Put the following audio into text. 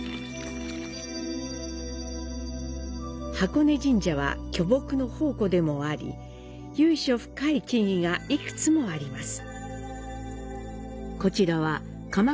箱根神社は巨木の宝庫でもあり、由緒深い木々が幾つもあります。